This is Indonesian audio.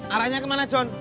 arahnya kemana john